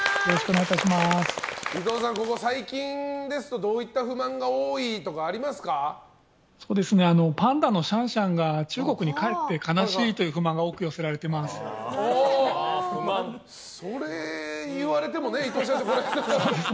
伊藤さん、ここ最近ですとどういった不満が多いとかパンダのシャンシャンが中国に帰って悲しいという不満がそれ言われてもね伊藤社長ね。